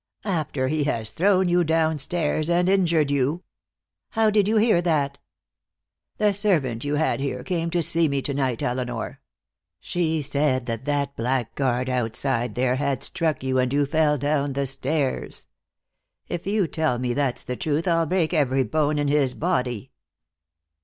"After he has thrown you downstairs and injured you " "How did you hear that?" "The servant you had here came to see me to night, Elinor. She said that that blackguard outside there had struck you and you fell down the stairs. If you tell me that's the truth I'll break every bone in his body."